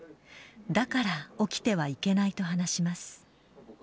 だから起きてはいけないと話します。